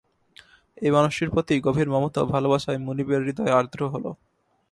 এই মানুষটির প্রতি গভীর মমতা ও ভালবাসায় মুনিরের হৃদয় আর্দ্র হল।